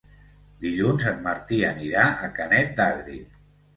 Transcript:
Dilluns en Martí anirà a Canet d'Adri.